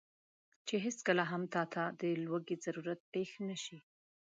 چې هیڅکله هم تاته د لوړې ضرورت پېښ نه شي،